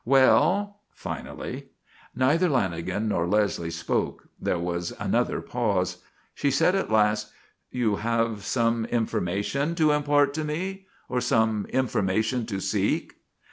"Well?" finally. Neither Lanagan nor Leslie spoke. There was another pause. She said at last: "You have some information to impart to me? Or some information to seek?"